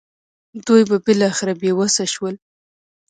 دوی به بالاخره بې وسه شول.